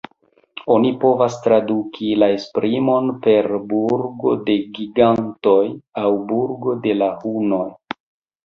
Oni povas traduki la esprimon per "burgo de gigantoj" aŭ "burgo de la hunoj".